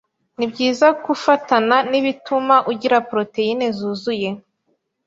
ni byiza kwufatana n’ibituma ugira poroteyine zuzuye